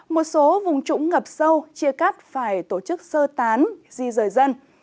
một số vùng trũng ngập sâu chia cắt phải tổ chức sơ tán di rời dân